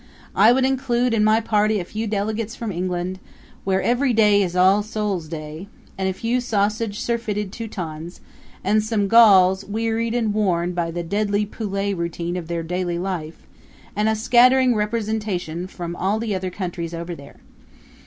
I would include in my party a few delegates from England, where every day is All Soles' Day; and a few sausage surfeited Teutons; and some Gauls, wearied and worn by the deadly poulet routine of their daily life, and a scattering representation from all the other countries over there.